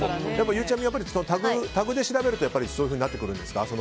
ゆうちゃみ、タグで調べるとそういうふうになってくるんですかね。